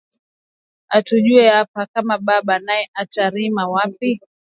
Atujue apa kama baba naye ata rima wapi